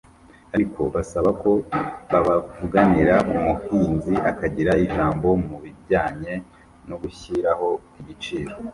ariko basaba ko babavuganira umuhinzi akagira ijambo mu bijyanye no gushyiraho igiciro